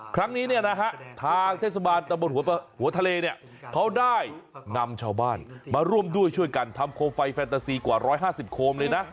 ครั้งนี้เนี่ยนะฮะทางเทศบาลตะบนหัวทะเลเนี่ยเขาได้นำชาวบ้านมาร่วมด้วยช่วยกันทำโคมไฟแฟนตาซีกว่า๑๕๐โคมเลยนะ